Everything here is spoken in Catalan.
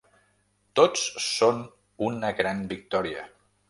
Tots són una gran victòria.